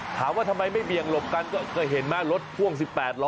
ถามว่าทำไมไม่เบี่ยงหลบกันก็เห็นไหมรถพ่วง๑๘ล้อ